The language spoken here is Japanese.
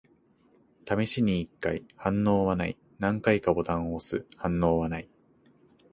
試しに一回。反応はない。何回かボタンを押す。反応はない。